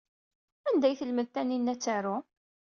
Anda ay telmed Taninna ad taru?